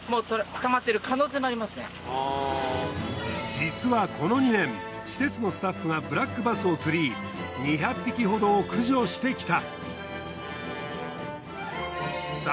実はこの２年施設のスタッフがブラックバスを釣り２００匹ほどを駆除してきた。